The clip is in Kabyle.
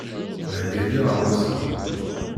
Theyya-d iɣawasen.